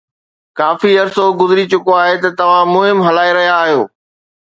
ڪافي عرصو گذري چڪو آهي ته توهان مهم هلائي رهيا آهيو